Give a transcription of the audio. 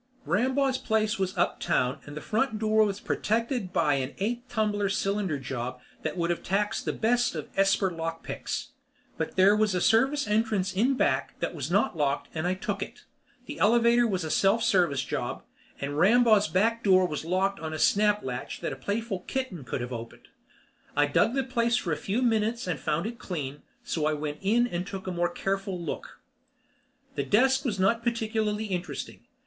Rambaugh's place was uptown and the front door was protected by an eight tumbler cylinder job that would have taxed the best of esper lockpicks. But there was a service entrance in back that was not locked and I took it. The elevator was a self service job, and Rambaugh's back door was locked on a snaplatch that a playful kitten could have opened. I dug the place for a few minutes and found it clean, so I went in and took a more careful look. The desk was not particularly interesting.